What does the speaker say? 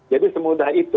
jadi semudah itu